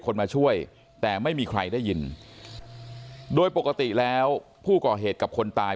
คนมาช่วยแต่ไม่มีใครได้ยินโดยปกติแล้วผู้ก่อเหตุกับคนตาย